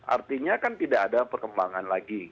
artinya kan tidak ada perkembangan lagi